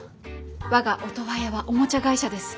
我がオトワヤはおもちゃ会社です。